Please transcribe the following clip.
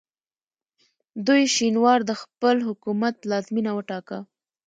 دوی شینوار د خپل حکومت پلازمینه وټاکه.